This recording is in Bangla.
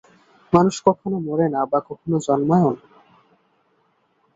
মানুষ কখনও মরে না বা কখনও জন্মায়ও না।